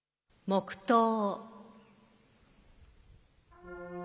黙とう。